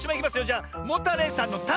じゃモタレイさんの「タ」！